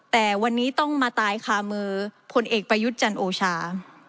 แต่วันนี้ต้องมาตายคามือพลเอกประยุทธ์จันทร์โอชา